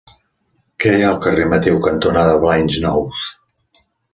Què hi ha al carrer Mateu cantonada Banys Nous?